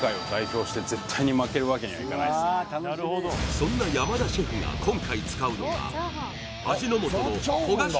そんな山田シェフが今回使うのが味の素の焦がし